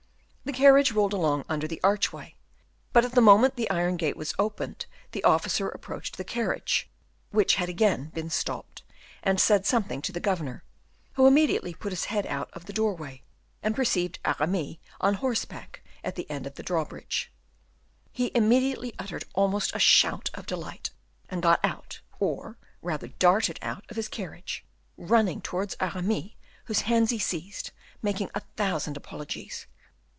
The carriage rolled along under the archway, but at the moment the iron gate was opened, the officer approached the carriage, which had again been stopped, and said something to the governor, who immediately put his head out of the door way, and perceived Aramis on horseback at the end of the drawbridge. He immediately uttered almost a shout of delight, and got out, or rather darted out of his carriage, running towards Aramis, whose hands he seized, making a thousand apologies.